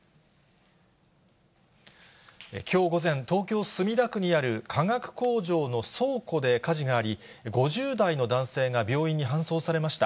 きょう午前、東京・墨田区にある化学工場の倉庫で火事があり、５０代の男性が病院に搬送されました。